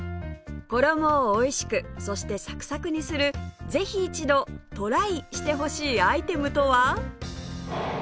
衣をおいしくそしてサクサクにするぜひ一度トライしてほしいアイテムとは？